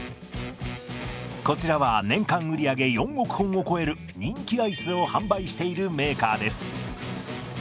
こちらは年間売り上げ４億本を超える人気アイスを販売しているメーカーです。